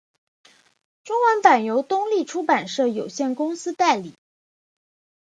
中文版由东立出版社有限公司代理。